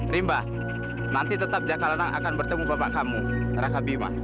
rimba nanti tetap jakalanang akan bertemu bapak kamu rangkabima